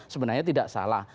sebenarnya tidak salah